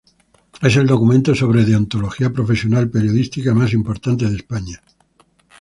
Es el documento sobre deontología profesional periodística más importante de España.